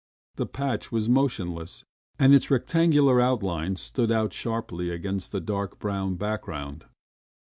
The patch was motionless, and its rectangular outlines stood out sharply against the dark, brown background.